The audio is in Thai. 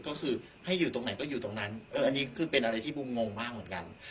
ก็คือให้อยู่ตรงไหนก็อยู่ตรงนั้นอันนี้คือเป็นอะไรที่บูมงมากเหมือนกัน